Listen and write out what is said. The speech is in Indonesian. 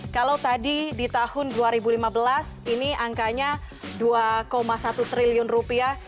kalau tadi di tahun dua ribu lima belas ini angkanya dua satu triliun rupiah